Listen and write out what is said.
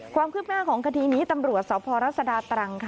ความคืบหน้าของคดีนี้ตำรวจสพรัศดาตรังค่ะ